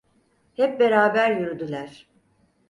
Hep beraber yürüdüler.